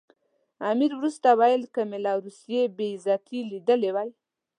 امیر وروسته وویل که مې له روسیې بې عزتي لیدلې وای.